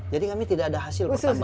jadi kami tidak ada hasil pertambangan